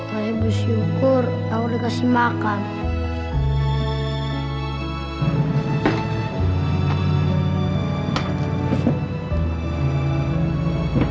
saya bersyukur aku dikasih makan